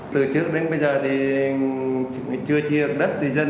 từ trước đến bây giờ thì chưa chia được đất thì dân